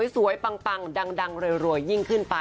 สวยปังดังรวยยิ่งขึ้นไปค่ะ